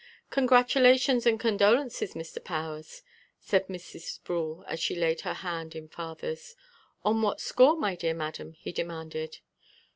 "Congratulations and condolences, Mr. Powers," said Mrs. Sproul as she laid her hand in father's. "On what score, my dear madam," he demanded.